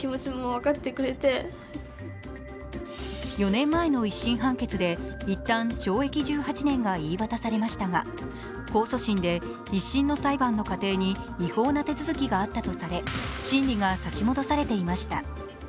４年前の１審判決でいったん懲役１８年が言い渡されましたが控訴審で１審の裁判の過程に違法な手続きがあったとされ審理が差し戻されていました。